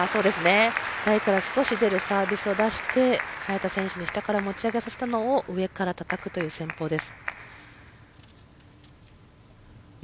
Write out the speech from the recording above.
台から少し出るサービスを出して早田選手に下から持ち上げさせたのを上からたたくという戦法です。